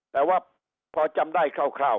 แต่ว่าพอจำได้คร่าว